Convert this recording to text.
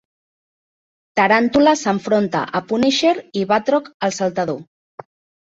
Taràntula s'enfronta a Punisher i Batroc el Saltador.